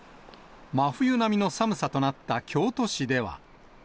真冬並みの寒さとなった京都市では。